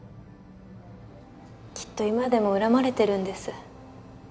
きっと今でも恨まれてるんです。